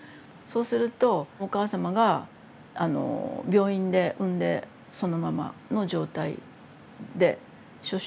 そうするとお母様が病院で産んでそのままの状態で出生届を出していなかった。